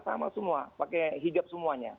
sama semua pakai hijab semuanya